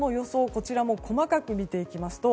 こちらも細かく見ていきますと